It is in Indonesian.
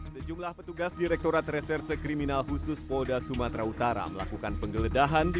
sejumlah petugas direkturat reserse kriminal khusus polda sumatera utara melakukan penggeledahan di